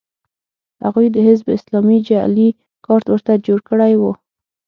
هغوی د حزب اسلامي جعلي کارت ورته جوړ کړی و